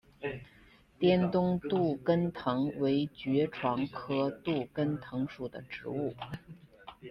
滇东杜根藤为爵床科杜根藤属的植物。